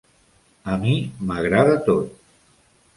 A mi m'agrada tot.